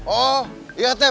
oh ya teh